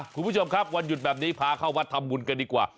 คุณผู้ชมครับวันหยุดแบบนี้พาเข้าวัดทำบุญกันดีกว่า